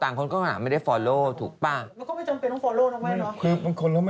ต่างคนก็ไม่ได้ฟอลโลกันถูกป่ะ